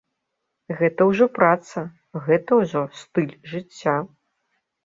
Гэта ўжо праца, гэта ўжо стыль жыцця.